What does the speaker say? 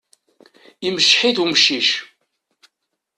Imceḥ-it umcic.